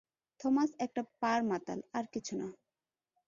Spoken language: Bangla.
থমাস একটা পাড় মাতাল, আর কিছু না।